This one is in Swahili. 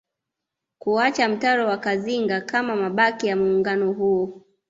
Kuacha mtaro wa Kazinga kama mabaki ya muungano huo